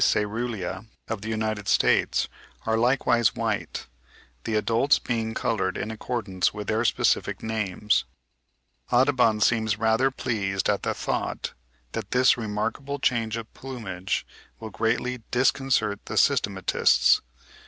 caerulea of the United States are likewise white, the adults being coloured in accordance with their specific names. Audubon ('Ornithological Biography,' vol. iii. p. 416; vol. iv. p. 58) seems rather pleased at the thought that this remarkable change of plumage will greatly "disconcert the systematists.")